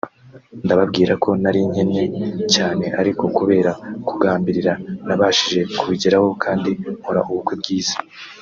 ndababwira ko nari nkennye cyane ariko kubera kugambirira nabashije kubigeraho kandi nkora ubukwe bwiza